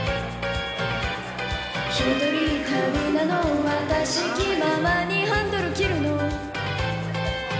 「ひとり旅なの私気ままにハンドル切るの」